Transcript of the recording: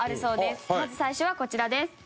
まず最初はこちらです。